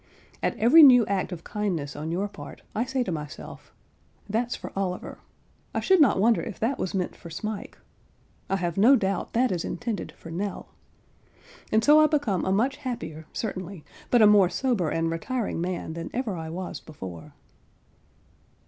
At every new act of kindness on your part, I say to myself "That's for Oliver; I should not wonder if that was meant for Smike; I have no doubt that is intended for Nell;" and so I become a much happier, certainly, but a more sober and retiring man than ever I was before.